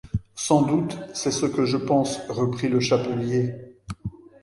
Sans doute, c'est ce que je pense, reprit le chapelier.